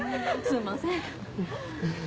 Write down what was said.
すいません。